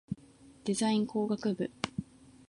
デザイン工学部